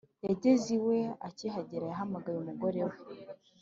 yageze iwe akihagera yahamagaye umugore we